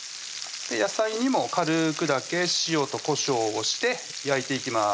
野菜にも軽くだけ塩とこしょうをして焼いていきます